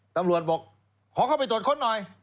ตำรวจบอกขอเข้าไปตรวจค้นหน่อย